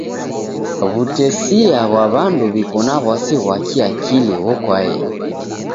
W'utesia ghwa w'andu w'iko na w'asi ghwa kiakili ghokwaeni.